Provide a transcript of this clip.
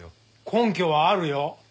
根拠はあるよ。